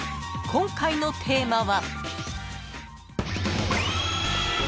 ［今回のテーマは］